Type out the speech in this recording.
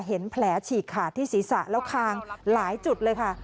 เห็นแผลฉีกขาดที่ศีรษะแล้วคางหลายจุดเลยค่ะ